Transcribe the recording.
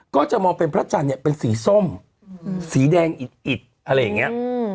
ก็จะมองเป็นพระจันทร์เนี่ยเป็นสีส้มสีแดงอิดอะไรอย่างนี้